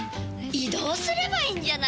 移動すればいいんじゃないですか？